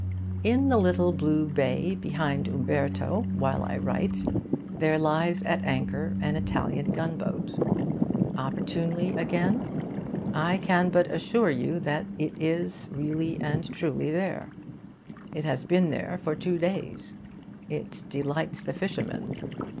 In the little blue bay behind Umberto, while I write, there lies at anchor an Italian gunboat. Opportunely again? I can but assure you that it really and truly is there. It has been there for two days. It delights the fishermen.